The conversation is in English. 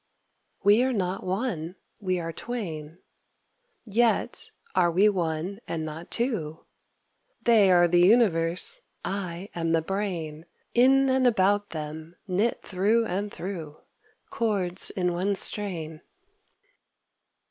We are not one, we are twain, Yet are we one and not two. They are the universe, I am the brain, In and about them, knit through and through, Chords in one strain.